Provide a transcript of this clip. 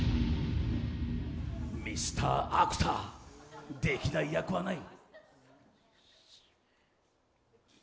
ミスターアクター、できない役はない。